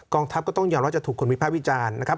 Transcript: ทัพก็ต้องยอมว่าจะถูกคนวิภาควิจารณ์นะครับ